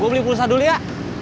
gue beli pulsa dulu ya